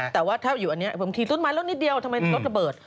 แต่ว่าถ้าอยู่อันนี้บางทีต้นไม้รถนิดเดียวทำไมรถระเบิด